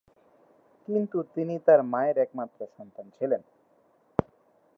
কিন্তু তিনি তার মায়ের একমাত্র সন্তান ছিলেন।